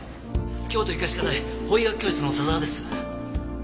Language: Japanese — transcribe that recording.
京都医科歯科大法医学教室の佐沢です。